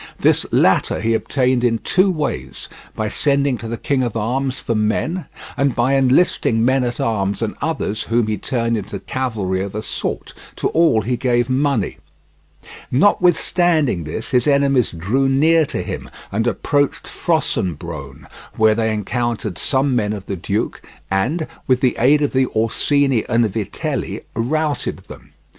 This latter he obtained in two ways, by sending to the King of France for men and by enlisting men at arms and others whom he turned into cavalry of a sort: to all he gave money. Notwithstanding this, his enemies drew near to him, and approached Fossombrone, where they encountered some men of the duke and, with the aid of the Orsini and Vitelli, routed them.